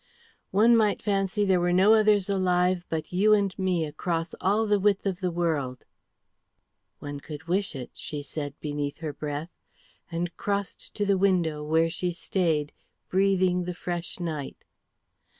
"One might fancy there were no others alive but you and me across all the width of the world." "One could wish it," she said beneath her breath, and crossed to the window where she stayed, breathing the fresh night.